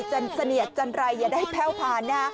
จันเสนียดจันไรอย่าได้แพ่วผ่านนะ